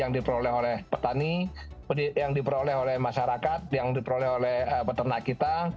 yang diperoleh oleh petani yang diperoleh oleh masyarakat yang diperoleh oleh peternak kita